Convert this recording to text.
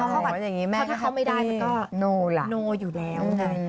อ๋ออย่างงี้แม่งถ้าเขาไม่ได้มันก็โน่ล่ะโน่อยู่แล้วไง